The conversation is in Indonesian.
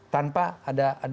tanpa ada kompensasi